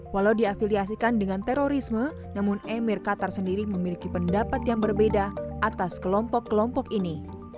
walau diafiliasikan dengan terorisme namun emir qatar sendiri memiliki pendapat yang berbeda atas kelompok kelompok ini